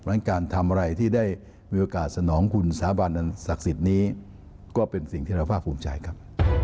เพราะฉะนั้นการทำอะไรที่ได้มีโอกาสสนองคุณสาบานอันศักดิ์สิทธิ์นี้ก็เป็นสิ่งที่เราภาคภูมิใจครับ